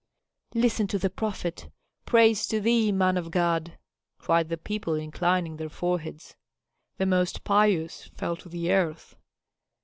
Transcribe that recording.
"Listen to the prophet! Praise to thee, man of God!" cried the people, inclining their foreheads. The most pious fell to the earth.